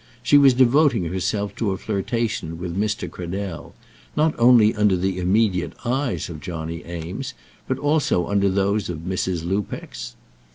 She was devoting herself to a flirtation with Mr. Cradell, not only under the immediate eyes of Johnny Eames, but also under those of Mrs. Lupex.